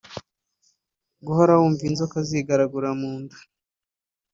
guhora wumva inzoka zigaragura munda